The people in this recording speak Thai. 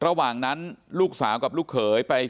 แล้วก็ช่วยกันนำนายธีรวรรษส่งโรงพยาบาล